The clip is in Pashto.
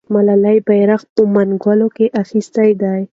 ملالۍ بیرغ په منګولو اخیستی دی.